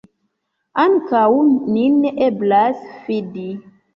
Ankaŭ nin eblas fidi.